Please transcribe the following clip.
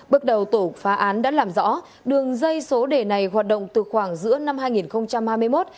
bước đầu tổ phá án đã làm rõ đường dây số đề này hoạt động từ khoảng giữa năm hai nghìn hai mươi một